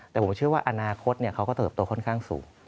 แต่ผมเชื่อว่าอนาคตเขาก็เติบโตค่อนข้างสูง